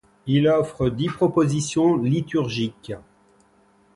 Il offre dix propositions liturgiques.